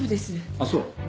あっそう。